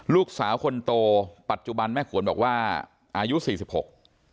ลูกสาวคนโตปัจจุบันแม่ขวนบอกว่าอายุสี่สิบหก